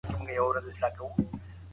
افغان ښوونکي د وینا بشپړه ازادي نه لري.